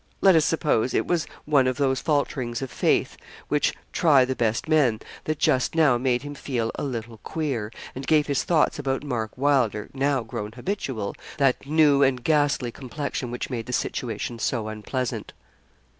Let us suppose it was one of those falterings of faith, which try the best men, that just now made him feel a little queer, and gave his thoughts about Mark Wylder, now grown habitual, that new and ghastly complexion which made the situation so unpleasant.